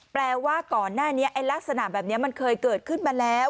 แปลว่าก่อนหน้านี้ลักษณะแบบนี้มันเคยเกิดขึ้นมาแล้ว